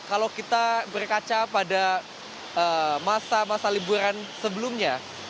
kalau kita berkaca pada masa masa liburan sebelumnya